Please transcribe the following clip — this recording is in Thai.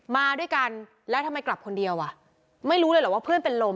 มาด้วยกันแล้วทำไมกลับคนเดียวอ่ะไม่รู้เลยเหรอว่าเพื่อนเป็นลม